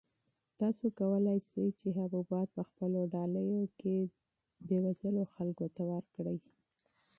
تاسو کولای شئ چې حبوبات په خپلو ډالیو کې بېوزلو خلکو ته ورکړئ.